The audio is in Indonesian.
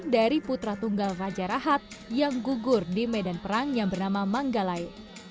dari putra tunggal raja rahat yang gugur di medan perang yang bernama manggalai